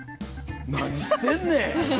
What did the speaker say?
何してんねん。